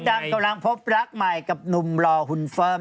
มสด่ำกำลังพบรับใหม่กับนมรอหุ่นเฟิร์ม